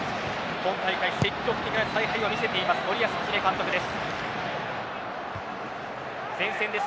今大会積極的な采配を見せている森保一監督です。